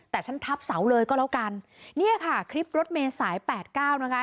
แต่ฉันทับเสาเลยก็แล้วกันเนี่ยค่ะคลิปรถเมย์สายแปดเก้านะคะ